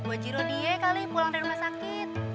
uji rodie kali pulang dari rumah sakit